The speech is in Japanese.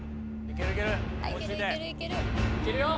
いけるよ！